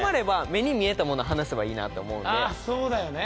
あっそうだよね。